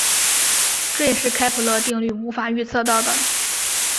这也是开普勒定律无法预测到的。